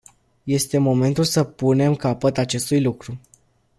Este momentul să punem capăt acestui lucru.